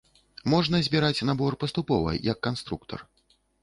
Можна збіраць набор паступова, як канструктар.